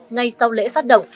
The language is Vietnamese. ngay sau lễ phát động